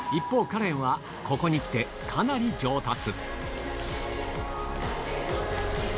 カレンはここに来てかなり上達